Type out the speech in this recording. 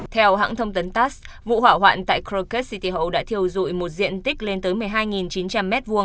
theo hãng thông tấn tass vụ hỏa hoạn tại kroket city hậu đã thiêu dụi một diện tích lên tới một mươi hai chín trăm linh m hai